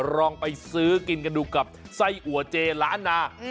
ลองไปซื้อกินกันดูกับไส้อัวเจล้านนา